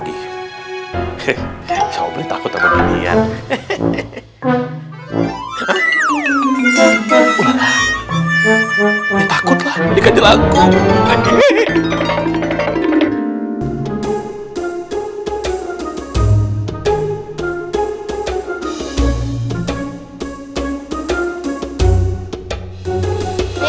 kayak kamu kulit lagu oh seperti ya dek eh ya seperti yaitu pelan pelan b luar biasa b tulem semuanya